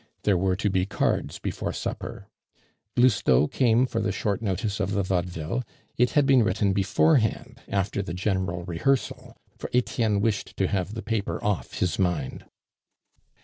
There were to be cards before supper. Lousteau came for the short notice of the vaudeville; it had been written beforehand after the general rehearsal, for Etienne wished to have the paper off his mind.